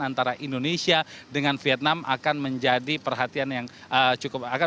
antara indonesia dengan vietnam akan menjadi perhatian yang cukup akan